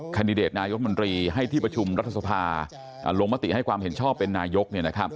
แดดิเดตนายมนตรีให้ที่ประชุมรัฐสภาลงมติให้ความเห็นชอบเป็นนายก